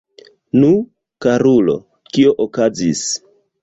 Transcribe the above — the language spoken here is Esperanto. Nu, karulo, kio okazis?